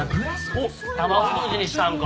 おっ卵とじにしたんか。